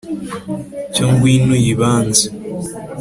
Cyo ngwino uyibanze